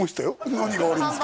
何が悪いんですか？